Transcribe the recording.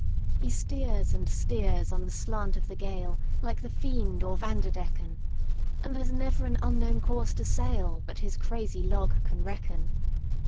He steers and steers on the slant of the gale, Like the fiend or Vanderdecken; And there 's never an unknown course to sailBut his crazy log can reckon.